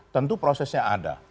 tentu prosesnya ada